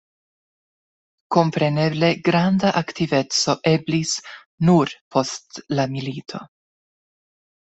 Kompreneble, granda aktiveco eblis nur post la milito.